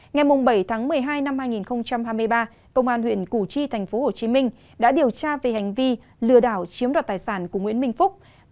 ngày bảy tháng một mươi hai năm hai nghìn hai mươi ba công an huyện củ chi tp hcm đã điều tra về hành vi lừa đảo chiếm đoạt tài sản của nguyễn minh phúc